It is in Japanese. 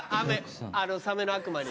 サメの悪魔に。